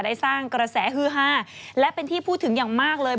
ได้สร้างกระแสฮือฮาและเป็นที่พูดถึงอย่างมากเลย